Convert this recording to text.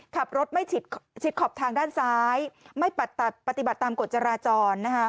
ขับรถไม่ชิดขอบทางด้านซ้ายไม่ปฏิบัติตามกฎจราจร